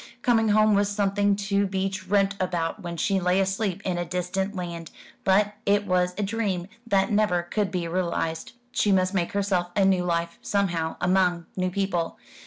Coming home was something to be dreamt about when she lay asleep in a distant land; but it was a dream that never could be realised. She must make herself a new life, somehow, among new people.